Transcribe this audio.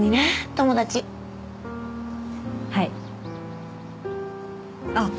友達はいあっ